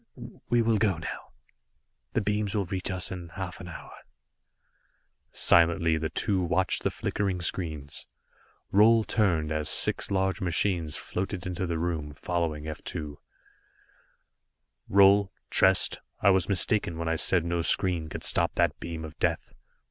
We will go now. The beams will reach us in half an hour." Silently, the two watched the flickering screens. Roal turned, as six large machines floated into the room, following F 2. "Roal Trest I was mistaken when I said no screen could stop that beam of Death.